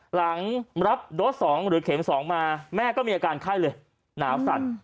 หลังรับโดส๒หรือเข็ม๒มาแม่ก็มีอาการไข้เลยหนาวสั่น